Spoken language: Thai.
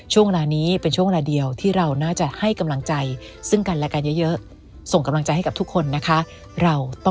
ช่วงเวลานี้เป็นช่วงเวลาเดียวที่เราน่าจะให้กำลังใจซึ่งกันและกันเยอะส่งกำลังใจให้กับทุกคนนะคะ